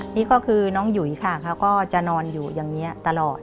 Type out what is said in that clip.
นี่ก็คือน้องหยุยค่ะเขาก็จะนอนอยู่อย่างนี้ตลอด